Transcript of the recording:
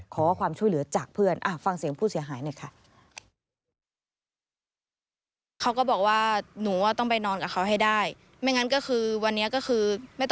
ขอความช่วยเหลือจากเพื่อนฟังเสียงผู้เสียหายหน่อยค่ะ